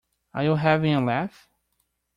Are you having a laugh?